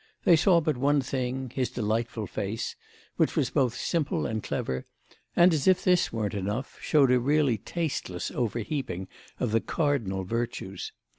They saw but one thing, his delightful face, which was both simple and clever and, as if this weren't enough, showed a really tasteless overheaping of the cardinal virtues.